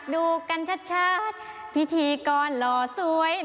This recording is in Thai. น้ำตาตกโคให้มีโชคเมียรสิเราเคยคบกันเหอะน้ำตาตกโคให้มีโชค